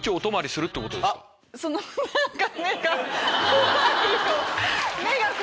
怖いよ！